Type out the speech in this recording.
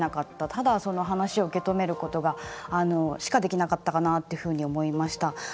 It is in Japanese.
ただ、その話を受け止めることしかできなかったかなっていうふうに思いました。